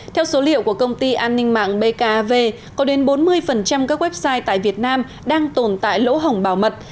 theo số liệu của công ty an ninh mạng bkv có đến bốn mươi các website tại việt nam đang tồn tại lỗ hỏng bảo mật